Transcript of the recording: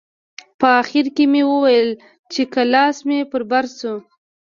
په اخر کښې مې وويل چې که لاس مې پر بر سو.